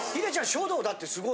書道だってすごい。